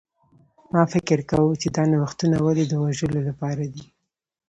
ما فکر کاوه چې دا نوښتونه ولې د وژلو لپاره دي